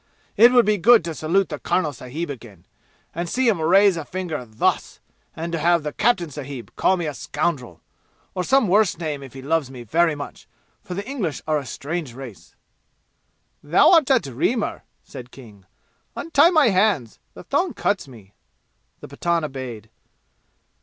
It would be good to salute the karnal sahib again and see him raise a finger, thus; and to have the captain sahib call me a scoundrel or some worse name if he loves me very much, for the English are a strange race " "Thou art a dreamer!" said King. "Untie my hands; the thong cuts me." The Pathan obeyed.